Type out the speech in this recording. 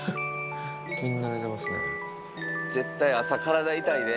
絶対朝、体痛いで。